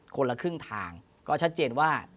คนละครึ่งทางก็ชัดเจนว่า